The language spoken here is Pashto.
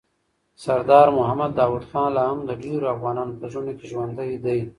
سردار محمد داود خان لا هم د ډېرو افغانانو په زړونو کي ژوندی دی.